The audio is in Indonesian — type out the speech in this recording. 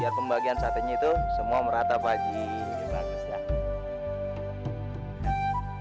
biar pembagian satenya itu semua merata pak haji